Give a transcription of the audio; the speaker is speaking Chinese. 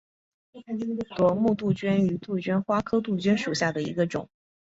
夺目杜鹃为杜鹃花科杜鹃属下的一个种。